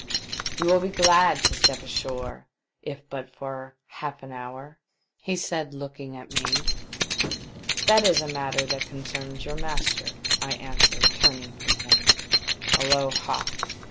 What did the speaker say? " You will be glad to step ashore if but for half an hour ?" said he, looking at me. '• That is a matter that concerns your master," I answered, turning from him. A low ha